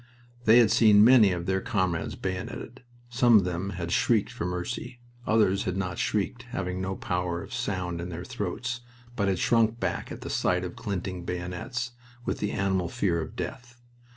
They had seen many of their comrades bayoneted. Some of them had shrieked for mercy. Others had not shrieked, having no power of sound in their throats, but had shrunk back at the sight of glinting bayonets, with an animal fear of death.